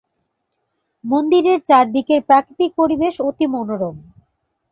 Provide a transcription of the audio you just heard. মন্দিরের চারদিকের প্রাকৃতিক পরিবেশ অতি মনোরম।